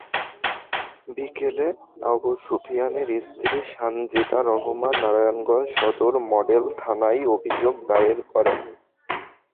বিকেলে আবু সুফিয়ানের স্ত্রী সানজিদা রহমান নারায়ণগঞ্জ সদর মডেল থানায় অভিযোগ দায়ের করেন।